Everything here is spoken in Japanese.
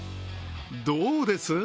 どうです？